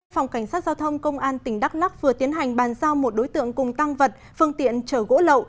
phòng cảnh sát giao thông công an tỉnh đắk lắc vừa tiến hành bàn giao một đối tượng cùng tăng vật phương tiện chở gỗ lậu